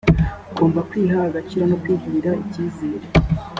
ugomba kwiha agaciro no kwigirira icyizere